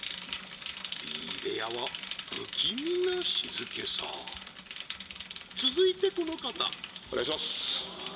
Ｂ部屋は不気味な静けさ続いてこの方お願いします